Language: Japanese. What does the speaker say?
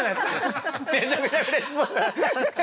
めちゃくちゃうれしそう。